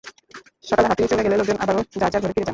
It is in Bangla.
সকালে হাতি চলে গেলে লোকজন আবারও যাঁর যাঁর ঘরে ফিরে যান।